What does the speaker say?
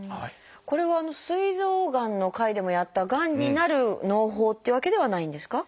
これはすい臓がんの回でもやったがんになるのう胞っていうわけではないんですか？